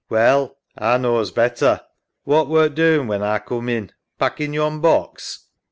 Well, A knaws better. What wert doin' when A coom in.'' Packin' yon box.?